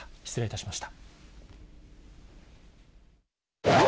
失礼いたしました。